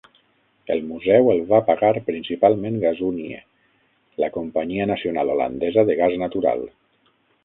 El museu el va pagar principalment Gasunie, la companyia nacional holandesa de gas natural.